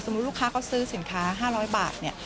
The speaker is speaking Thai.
สมมุติลูกค้าเขาซื้อสินค้า๕๐๐บาท